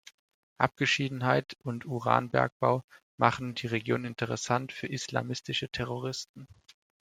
Abgeschiedenheit und Uranbergbau machen die Region interessant für islamistische Terroristen.